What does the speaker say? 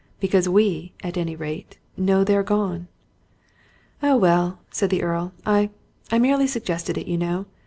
"Because we, at any rate, know they're gone!" "Oh, well!" said the Earl, "I I merely suggest it, you know.